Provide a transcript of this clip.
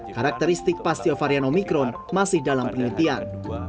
karakteristik pasca varian omikron masih dalam penelitian